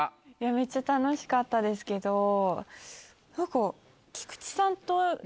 めっちゃ楽しかったですけど何か。